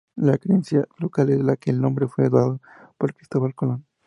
La creencia local es que el nombre fue dado por Cristóbal Colón.